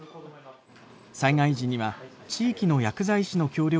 災害時には地域の薬剤師の協力が不可欠です。